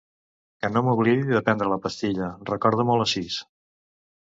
Que no m'oblidi de prendre la pastilla, recorda-m'ho a les sis.